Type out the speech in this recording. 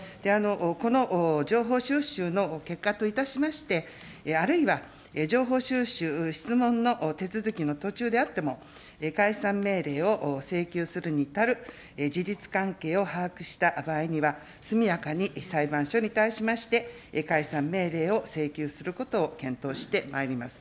この情報収集の結果といたしまして、あるいは情報収集、質問の手続きの途中であっても、解散命令を請求するに足る事実関係を把握した場合には、速やかに裁判所に対しまして、解散命令を請求することを検討してまいります。